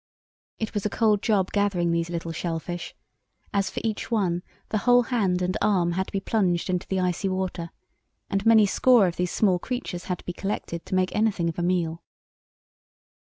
It was a cold job gathering these little shell fish, as for each one the whole hand and arm had to be plunged into the icy water, and many score of these small creatures had to be collected to make anything of a meal.